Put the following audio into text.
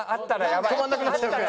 止まんなくなっちゃうから。